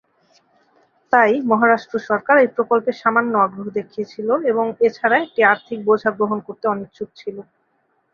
তাই, মহারাষ্ট্র সরকার এই প্রকল্পে সামান্য আগ্রহ দেখিয়েছিল এবং এছাড়া একটি আর্থিক বোঝা গ্রহণ করতে অনিচ্ছুক ছিল।